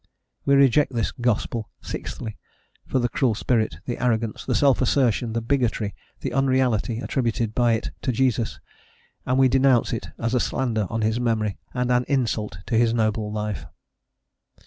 We reject this gospel, sixthly, for the cruel spirit, the arrogance, the self assertion, the bigotry, the unreality, attributed by it to Jesus, and we denounce it as a slander on his memory and an insult to his noble life.